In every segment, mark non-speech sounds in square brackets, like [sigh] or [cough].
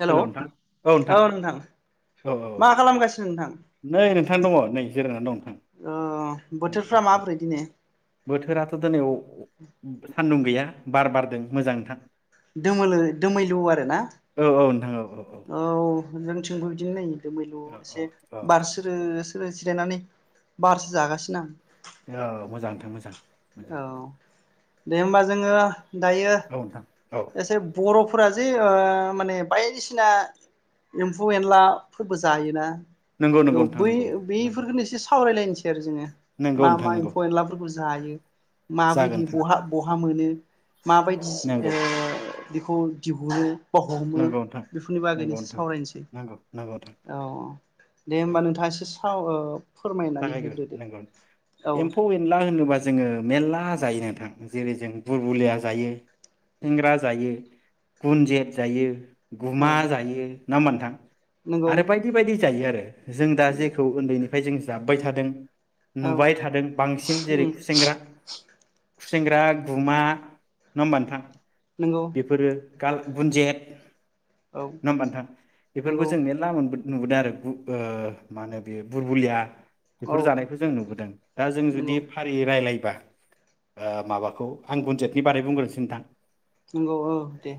Hello औ नोंथां औ औ मा खालामगासिनो नोंथां? नै नोंथां दङ नै जिरायनानै दं नोंथां ओ बोथोरफ्रा ओ ओ माबोरै दिनै बोथोराथ' दोनै अ सान्दुं गैया बार बारदों मोजां नोंथां दोमोलो दोमैलु आरो ना? नोंऔ औ मोजांथिंखौ बिदिनो नायो दोमैलु एसे औ औ बार सोरो सोरो सिरायनानै बारसो जागासिनो आं। औ मोजांथां मोजां मोजां औ दे होमबा जोङो दायो औ नोंथां औ एसे बर'। फोरा जे ओ माने बायदिसिना एम्फु एनला फोरबो जायोना। नंगौ नंगौ औ नोंथां बै नंगौ नंगौ बेफोरखौनो एसे सावरायलायनो से जिनो नंगौ मा नोंथां मा नंगौ एम्फौ एनलाफोरखौ जायो। माबोयदि जागोन नोंथां बहा बहा मोनो माबायदि नंगौ ओ बिखौ दिहुरो हमो नंगौ नोंथां बेफोरनि बागैनो नंगौ एसे नोंथां सावरायनोसै नंगौ नंगौ नोंथां औ दे औ होमबा नोंथाङा एसे। [unintelligible] जागायग्रो होग्रोदो नोंगौ औ एम्फौ एनला होनोबा जोङो मेर्ला जायो नोंथां जेरै जों बुरबुलिया जायो खुसेंग्रा जायो गुनजेत जायो। गुमा औ जायो। ना मो नोंथां नंगौ आरो बायदि बायदि जायो आरो। जों दा जेखौ उन्दैनि फ्राय जों जाबोबाय थादों औ नुबाय थादों बांसिन जेरै उम खुसेेंग्रा खुसेेंग्रा गुमा नङा होमबा नोंथां नंगौ बेफोरो गुन्जेद औ नङा होमबा नोंथां बेफोरबो नंगौ जों मेरला मोनबोदों नुबोदों आरो मा होनो बेयो बुरबुलिया औ बेफोर जानायखौ जों नुबोदों दा जों नंगौ जुदि फारि रायलाय ओ माबाखौ आं गुनजेतनि बारै बुंग्रोनोसै नोंथां नंगौ औ दे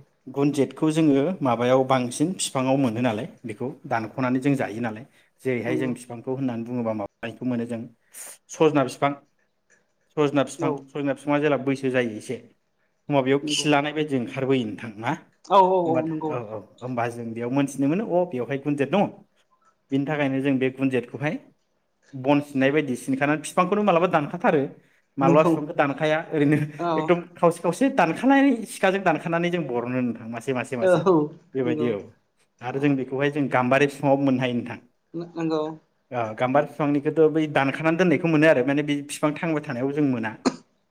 बेखौ जोङो माबायाव बांसिन बिफाङाव मोनो नालाय बेखौ दानख'नानै जों जायो नालाय जेरैहाय जों नंगौ बिफांखौ होननानै बुङोबा माबानायखौ मोनो जों सजना बिफां सजना बिफां औ सजना बिफाङा जेला बैसो जायो एसे एखमबा बेयाव नंगौ खिसिलानाय बायदि ओंखारबोयो नोंथां ना औ औ होनबा नंगौ औ औ होनबा जों बेयाव मोनथिनो मोनो अ बेयावहाय गुनजेत दङ बिनि थाखायनो जों बे गुनजेतखौहाय बन सिननाय बायदि सिनखानानै बिफांखौनो मालाबा दानखाथारो माब्लाबा नोंखौ बिफांखौ दानखाया ओरैनो औ एकदम खावसे खावसे दानखानानै सिखाजों दानखानानै जों बर'नो नोंथां मासे औ मासे बेबायदि नंगौ औ आरो जों बेखौहाय जों गामबारि फिफाङावबो मोननो हायो नोंथां नो नंगौ गाम्बार बिफांनिखौथ' बै दानखानानै दोननायखौ मोनो आरो माने बे बिफां थांबाय थानायाव जों मोना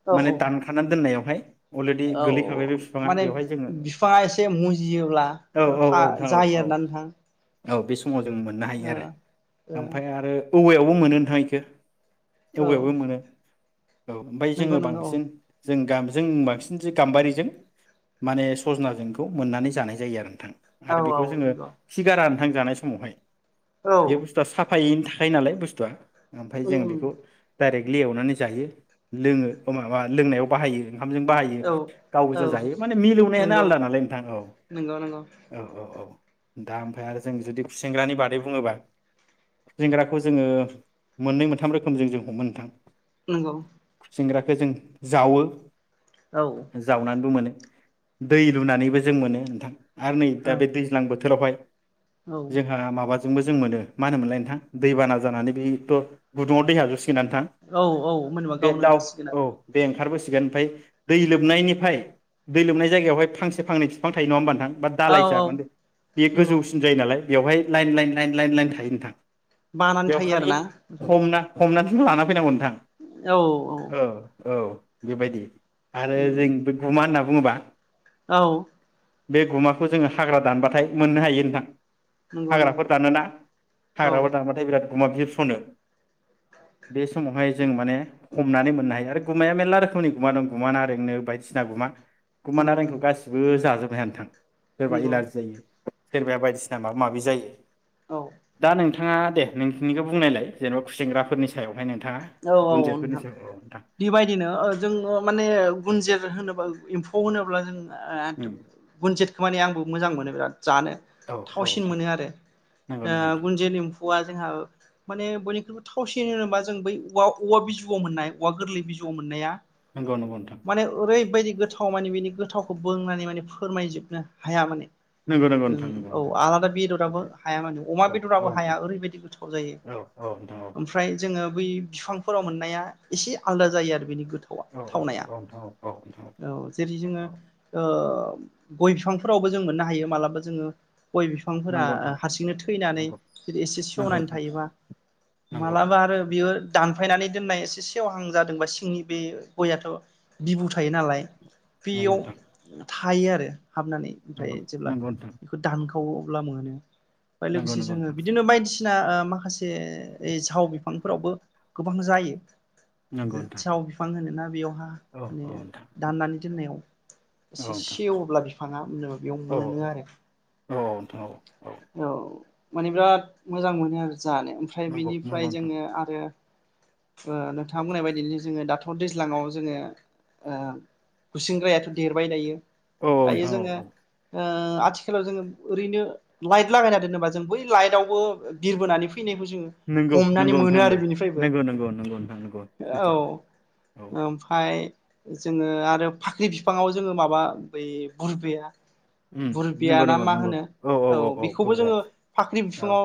औ माने औ दानखाना दोननायाव हाय औ माने बिफाङा एसे मुजियोब्ला औ बेयाव औ था नोंथां औ जायो आरोना औ नोंथां औ बि समाव जों मोननो हायो आरो ओ ओमफ्राय आरो औवायावबो मोनो नोथां एखो ओ औ औवायावबो मोनो औ ओमफ्राय नंगौ जोङो नंगौ बांसिन जों गामजों बांसिन जे गाम्बारिजों माने सजनाजोंखौ मोननानै जानाय जायो आरो नोंथां औ आरो बेखौ औ जोङो नंगौ खिगारा गोथां जानाय समावहाय औ बे बुस्थवा सा फायै था यो नालाय बुस्थुआ ओमफाय जों उम बेखौ डाइरेक्टलि एवनानै जायो लोङो ओ माबा लोंनायाव बाहायो ओंखामजों बाहायो उम औ गाव औ गोजा जायो माने मिलौनायानो नंगौ आलदा नालाय नोंथां औ नंगौ नंगौ औ औ औ दा ओमफ्राय आरो जों जुदि खुसेंग्रानि बादै बुङोबा जेंग्राखौ जोङो मोननै मोनथाम रोखोमजों जों हमो नोंथां। नंगौ। सिंग्राखौ जों जावो। औ जावनानैबो मोनो। दै लुनानैबो जों मोनो नोंथां। आरो नै औ दा बे दैज्लां बोथोरावहाय। औ जोंहा माबाजोंबो जों मोनो मा होनो मोनलाय नोंथां। दैबाना जानानै बेथ' गुदुङाव दै हाबजोबसि गोनना नोंथां औ औ मोनबा बे गावनो दाउ ओंखारसिगोन औ बे ओंखारबोसिगोन ओमफ्राय दै लोबनायनिफ्राय दै लोबनाय जायगायावहाय फांसे फांनै बिफां थायो नङा होमबा नोंथां। बा आरो औ दालायसा माने बे नंगौ गोजौसिन जायो नालाय। बेवहाय line line line line line थायो नोंथां। बानानै थायो आरोना नोंथां। हमनानैथ' लाना फैनांगौ नोंथां औ औ। बेबायदि आरो जों बे गुमा होनना बुङोबा औ। बे गुमाखौ जोङो हाग्रा दानबाथाय मोननो हायो नोंथां। नंगौ नंगौ हाग्राफोर दानोना औ हाग्राबो नाथाय बिराद गुमा बिरस'नो बे समावहाय जों माने हमनानै मोननो हायो आरो गुमाया मेरला रोखोमनि गुमा दं गुमा नारेंनो बायदिसिना गुमा गुमा नंगौ नारेंखौ नंगौ गासिबो जाजोब [unintelligible] नोंथां सोरबा नंगौ इलार्जि जायो। सोरबाया बायदिसिना माबा माबि जायो। औ दा नोंथां नोंथाङा दे नोंथांनिखौ बुंनायलाय जेनेबा खुसिंग्राफोरनि सायावहाय नोंथाङा औ औ औ गुनजेतफोरनि नोंथां सायाव औ नोंथां बेबायदिनो ओ जोङो माने गुनजिर होनोबा एम्फौ होनोब्ला जों ओ उम गुनजेदखौ माने आंबो मोजां मोनो बिराद। जानो औ औ थावसिन नोंथां मोनो आरो नंगौ ओ नंगौ गुन्जित एम्फौआ जोंहा माने बयनिख्रुइबो थावसिन होनोबा जों बै औवा औवा बिजौआव मोननाय औवा गोरलै बिजौआव मोननाया नोंथां माने ओरैबायदि गोथाव माने बिनि गोथावखौ बोंनानै माने फोरमायजोबनो हाया माने। नंगौ नंगौ नोंथां ओं नंगौ औ नंगौ आलादा बेदराबो नोंथां नंगौ हाया माने अमा औ बेदराबो औ हाया नोंथां ओरैबायदि गोथाव जायो औ औ नोंथां ओमफ्राय जोङो बै फिफांफोराव मोननाया एसे आलदा जायो आरो बेनि गो थावआ औ थावनाया औ औ नोंथां औ औ नोंथां औ। जेरै जोङो औ ओ गय बिफांफोरावबो जों मोननो हायो मालाबा जोङो गय बिफांफोरा नंगौ नोंथां हारसिंनो थैनानै नंगौ जदि एसे नंगौ सेवनानै नोंथां थायोबा नंगौ मालाबा आरो बियो दानफायनानै दोननाय एसे सेव हां जादोंबा सिंनि बे गयाथ' बिबु थायो नालाय नंगौ बियाव नोंथां थायो आरो। हाबनानै ओमफ्राय नंगौ जेब्ला नंगौ नोंथां बेखौ दान थाव अब्ला मोनो। ओमफ्राय नंगौ लोगोसे नंगौ जोङो नोंथां बिदिनो बायदिस सिना ओ माखासे ओइ साव बिफां फोरावबो गोबां जायो नंगौ जि नोंथां साव बिफां होनोना बेयावहा औ औ माने नोंथां दाननानै दोननायाव औ एसे नोंथां सेवोब्ला बिफ फाङा नो बेयाव औ मोनो आरो। औ औ नोंथां औ। औ माने बिराद मोजां मोनो आरो जानो। ओमफ्राय नंगौ नंगौ बिनिफ्राय नोंथां जोङो आरो ओ नोंथाङा बुंनाय बायदि जोङो दाथ' दैज्लाङाव जोङो ओ गुसिंग्रायाथ' देरबाय दायो। औ औ दायो नोंथां औ जोङो औ। ओ आथिखालाव जोङो ओरैनो लाइट लागायना दोनोबा जों बै लाइटआवबो बिरबोनानै फैनायखौ जोङो नंगौ हमनानै नंगौ मोनो नोंथां आरो बिनिफ्रायबो नंगौ नंगौ नंगौ नोंथां नंगौ औ सैथो औ ओमफाय जोङो आरो फाख्रि बिफाङाव जोङो माबा बै बुरबेया उम नंगौ बुरबियाना नंगौ मा नंगौ होनो औ बेखौबो बुरबाय जोङो फाख्रि औ बिफाङाव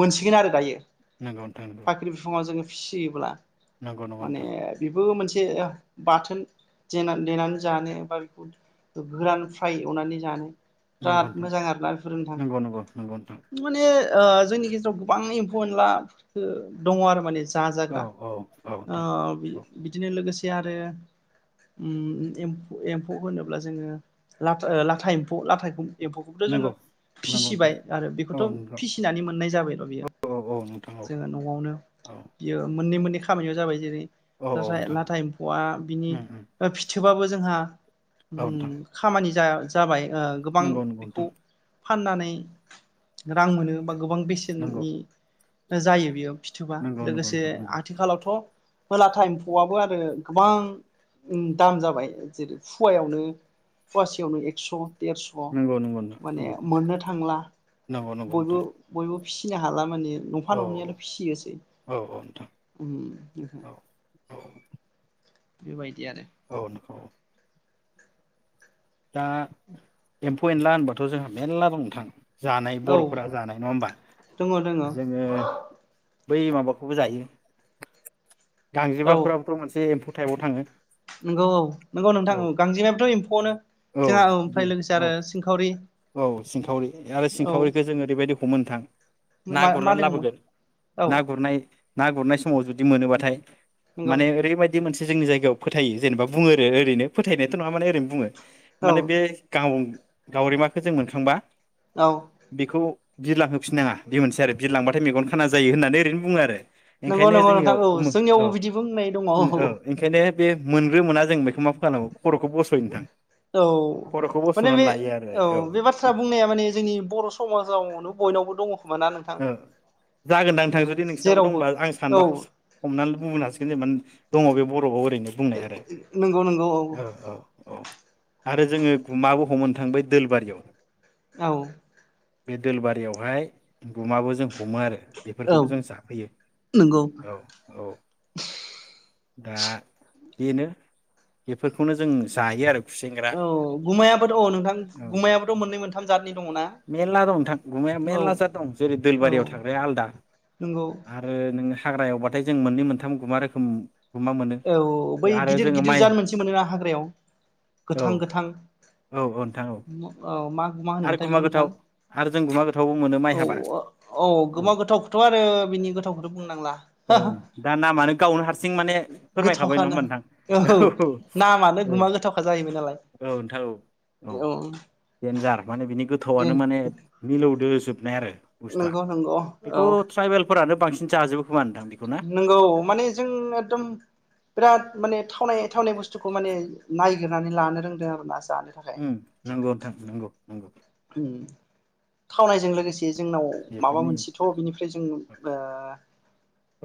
मोनसिगोन आरो दायो नंगौ नोंथां नंगौ फाख्रि बिफाङा जोङो फिसिब्ला नंगौ नंगौ माने नोंथां बेबो मोनसे एसे बाथोने देनानै जानो बा बेखौ गोरान फ्राय एवनानै जानो नंगौ बिराद नोंथां मोजां आरोना बेफोर नोंथां नंगौ नंगौ नंगौ नोंथां माने जोंनि गेजेराव गोबां एम्फौ एनला दङ आरो माने जा औ जाग्रा औ औ नोंथां औ बिदिनो लोगोसे जे आरो एम्फौ होनोब्ला जोङो ला लाथा एम्फौ लाथा एम्फौखौ एम्फौखौबोथ' नंगौ जोङो नंगौ फिसिबाय नोंथां आरो औ बेखौथ' नंगौ फिसिनानै मोननाय जाबायल' बियो औ औ नोंथां औ जोङो न'आवनो औ बियो मोननै मोननै बे खामानियाव जाबाय जेरै औ नाथाय नोंथां लाथा उम एम्फौआ बिनि उम फि ओमबाबो जोंहा औ नोंथां खामानि आ जाबाय ओ गोबां नंगौ नंगौ बेखौ नोंथां फाननानै रां मोनो बा गोबां नंगौ बिसिननि जायो बेयो फिथोबा नंगौ नंगौ लोगोसे नोंथां नंगौ आथिखालावथ' लाथा एम्फौआबो आरो गोबां दाम जाबाय जेरै फुवायावनो फवासेयावनो एक्स' देरस' नंगौ नंगौ नोंथां माने नंगौ मोननो थांला नंगौ नंगौ बयबो नोंथां बयबो फिसिनो हाला माने नफा औ ननैयाल' फिसियोसै औ औ नोंथां ओम [unintelligible] औ बेबाय औ नोंगौ औ दा एम्फौ एनला होनबाथ' जोंहा मेरला दं नोंथां जानाय औ बर'फोरा जानाय नङा होमबा दङ दङ जोङो बै माबाखौबो जायो। गांजिमा औ फोराबोथ' मोनसे एम्फौ टाइपाव थाङो‌। नंगौ औ नंगौ नोंथां औ गांजेनायाबथ' एम्फौआनो औ जों बे ओमफ्राय लोगोसे औ आरो सिंखावरि औ सिंखावरि आरो औ सिंखावरिखौ जों ओरैबायदि हमो नोंथां। ना मा मा गुरनानै दङमोन लाबोगोन औ ना गुरनाय ना गुरनाय समाव जुदि मोनोबाथाय नंगौ माने ओरैबायदि मोनसे जोंनि जायगायाव फोथायो जेनबा बुङो आरो ओरैनो फोथायनायाथ' नङा माने ओरैनो बुङो। औ माने बे गां गावरिमाखौ जों मोनखांबा औ बेखौ बिरलां होफिननाङा बे मोनसे आरो बिरलांबाथाय मेगन खाना जायो होननानै ओरैनो बुङो आरो नंगौ ओंखायनो नंगौ नोंथां जोंनियाव औ मो औ जोंनियावबो बिदि बुंनाय दङ औ। बे मोनग्रो मोना जों बेखौ मा फोनांगौ खर'खौ बस'यो नोंथां। औ खर'खौ माने बस'नानै बे लायो आरो औ बे बाथ्रा बुंनाया माने जोंनि बर' समाजावनो बयनावबो दङ खोमा ना नों औ जागोनदां नोंथां जुदि नोंसिनावबो जेरावबो दंबा आं औ सानबा हमनानै [unintelligible] हासिगोन जेनेबा दङ बे बर' [unintelligible] ओरैनो बुंनाय आरो नंगौ नंगौ औ औ औ आरो जों गुमाबो हमो नों थांबाय दोल बारियाव औ। बे दोल बारियावहाय गुमाबो जों हमो आरो औ बेफोरखौबो जों जाफैयो नंगौ औ औ। दा बेनो बेफोरखौनो जों जायो आरो खुसेंग्रा औ गुमायाबोथ' औ नोंथां औ गुमायाबोथ' मोननै मोनथाम जादनि दङना मेरला दं नोंथां गुमाया औ। मेरला जाद दं जेरै औ दोलबारियाव थाग्राया आलदा नंगौ आरो नों हाग्रा एवबाथाय जों मोननै मोनथाम गुमा रोखोम गुमा मोनो औ बै आरो गिदिर जोङो गिदिर माइ जाद मोनसे मोनोना हाग्रायाव औ गोथां गोथां औ मा मा आरो होनोमोनथाय गुमा बेखौ नोंथां गोथाव आरो जों गुमा गोथावबो मोनो माइ औ हाबा औ औ गोमा गोथावखौथ' आरो बिनि गोथावखौथ' बुंनां औ दा नामानो गावनो हारसिं माने फोरमायखाबाय नङा गोथावखाना होमबा नोंथां औ नामानो औ गुमा गोथावखा जाहैबाय औ नोंथां नालाय औ दे गोथावानो माने मिलौदो जोबनाय आरो बुस्थुआ नंगौ नंगौ औ बेखौ ट्राइबेलफोरानो बांसिन जाजोबो खोमा नोंथां बेखौ ना नंगौ माने जों एकदम बिराद माने थावनाय थावनाय बुस्थुखौ माने नायगिरनानै लानो रोंदों आरो ना जानो ओम नंगौ नोंथां नंगौ नोंगौ ओम थावनायजों लोगोसे जोंनाव माबा बेफोरनि मोनसेथ' बिनिफ्राय जों ओ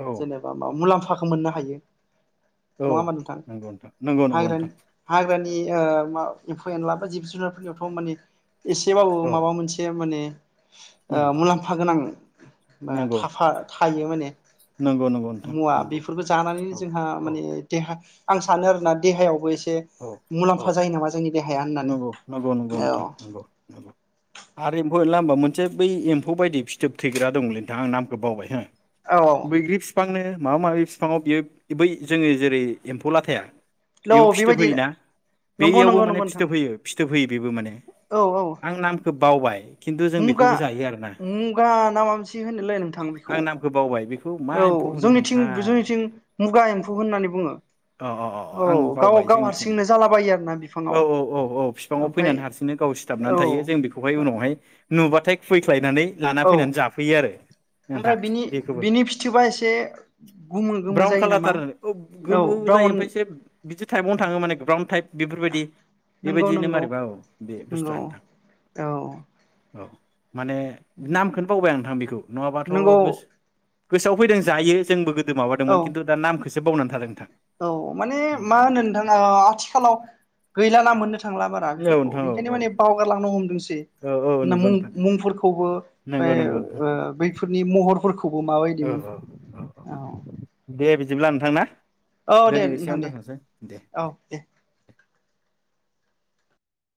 औ जेनेबा मा मुलाम्फा खौ मोननो हायो औ नङा होमबा नोंथां नंगौ नोंथां नंगौ नंगौ नोंथां ए ओ एम्फौ एनला बा जिब जुनारफोरनियावथ' माने एसेबाबो औ माबा मोनसे माने उम मुलाम्फा गोनां नंगौ थाफा थायो माने नंगौ नंगौ नोंथां मुवा नंगौ बेफोरबो जानानैनो औ जोंहा औ माने देहा आं सानो आरोना देहायावबो एसे औ से मुलाम्फा औ जायो नामा जोंनि देहाया होननानै नंगौ नंगौ नंगौ औ नोंथां नंगौ आरो एम्फौ होनला होमबा मोनसे बै एम्फौ बायदि फिथोब थैग्रा दंलै नोंथां आं नामखौ बावबाय हो औ औ बैग्रि बिफांनो माबा माबि बिफाङाव बियो बै जोङो जेरै एम्फौलाथाया औ बेबायदि नंगौ बेयावबो नंगौ माने नंगौ नोंथां फिथोब होयो फिथोब होयो बेबो माने औ आं नामखौ बावबाय खिन्थु जों मुगा बेखौबो जायो आरोना मुगा ना मा मोनसे होनोलोय नोंथां बेखौ आं नामखौ बावबाय बेखौ मा औ एम्फौ जोंनिथिं होनोमोनथाय जोंनिथिं मुगा एम्फौ होननानै बुङो अ अ औ आं गाव बावबाय गाव जोंनिथिं हारसिंनो जालाबायो आरोना बिफां औ औ औ औ बिफाङाव फैनानै हारसिंनो गाव सिथाबनानै औ थायो जों बेखौहाय उनावहाय नुबाथाय खुबैख्लायनानै लाना औ फैनानै जाफैयो आरो नोंथां ओमफ्राय बिनि बेखौबो बिनि फिथोबा एसे गोमो गोमो ब्राउन जायो नामा खालारथार औ औ गोमो जायो ब्राउन ओमफ्राय एसे बिदि टाइपआवनो थाङो माने ब्राउन टाइप बेफोरबायदि नंगौ बेबायदियैनो नंगौ मारैबा औ बे नंगौ बुस्थुआ नोंथां औ औ औ माने नामखोनो बावबाय आं नोंथां बि नङाबाथ' नंगौ गोस गोसोआव फैदों जायो जोंबो गोद दो माबादोंमोन औ खिन्थु दा नाम सो बावना थादों नोंथां। औ माने मा होनो औ नोंथाङा ओ आथिखालाव गैलाना मोननो थांला बारा बिफोरखौ नोंथां औ बिनिखायनो औ माने बावगार लांनो हमदोंसै। औ ना नंगौ मुं नोंथां मुं फोरखौबो फाय नंगौ ओ बैफोरनि म हरफोर ओ ओ औ औ दे बि दिब्ला नोंथां ना! औ दे दिनै नोंथां एसेयावनो दे दोनथ'नोसै दे। औ दे।